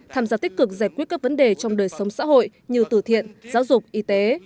tham gia tích cực giải quyết các vấn đề trong đời sống xã hội như tử thiện giáo dục y tế